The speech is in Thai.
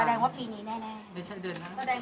แสดงว่าปีนี้แน่